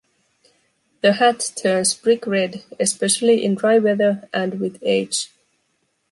The hat turns brick-red especially in dry weather and with age.